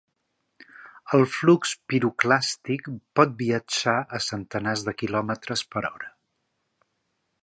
El flux piroclàstic pot viatjar a centenars de kilòmetres per hora.